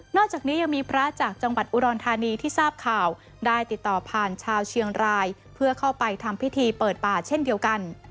จากนี้ยังมีพระจากจังหวัดอุดรธานีที่ทราบข่าวได้ติดต่อผ่านชาวเชียงรายเพื่อเข้าไปทำพิธีเปิดป่าเช่นเดียวกัน